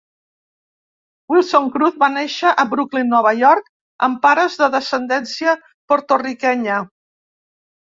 Wilson Cruz va néixer a Brooklyn, Nova York amb pares de descendència portorriquenya.